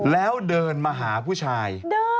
แล้วเดินมาหาผู้ชาย